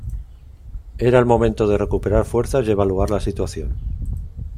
Era el momento de recuperar fuerzas y evaluar la situación.